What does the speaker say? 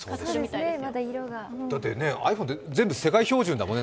だってｉＰｈｏｎｅて世界標準だもんね。